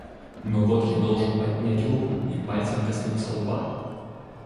Но вот я должен поднять руку и пальцем коснуться лба.